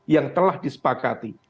yang telah disepakati